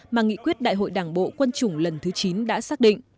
mà nghị quyết đại hội đảng bộ quân chủng lần thứ chín đã xác định